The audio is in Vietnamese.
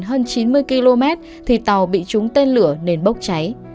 hơn chín mươi km thì tàu bị trúng tên lửa nên bốc cháy